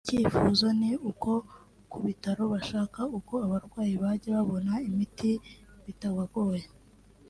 (…) icyifuzo ni uko ku bitaro bashaka uko abarwayi bajya babona imiti bitabagoye